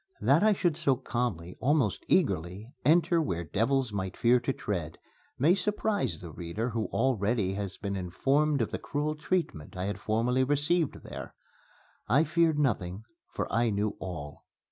That I should so calmly, almost eagerly, enter where devils might fear to tread may surprise the reader who already has been informed of the cruel treatment I had formerly received there. I feared nothing, for I knew all.